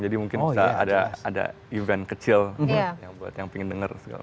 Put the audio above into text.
jadi mungkin bisa ada event kecil yang buat yang ingin dengar